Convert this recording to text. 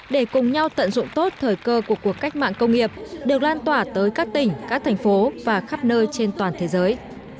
để cùng nhau tận dụng tốt thời cơ của cuộc cách mạng công nghiệp được lan tỏa tới các tỉnh các thành phố và khắp nơi trên toàn thế giới